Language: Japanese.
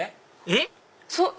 えっ⁉